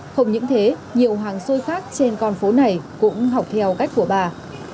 không những thế nhiều hàng xôi khác trên con phố này cũng học theo cách của bà